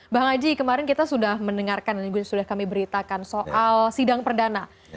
bang haji kemarin kita sudah mendengarkan dan sudah kami beritakan soal sidang perdana